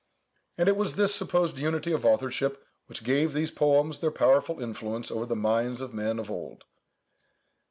And it was this supposed unity of authorship which gave these poems their powerful influence over the minds of the men of old.